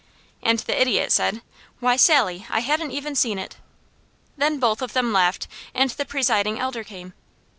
And the idiot said: "Why Sally, I hadn't even seen it!" Then both of them laughed, and the Presiding Elder came.